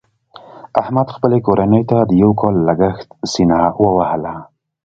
احمد خپلې کورنۍ ته د یو کال لګښت سینه ووهله.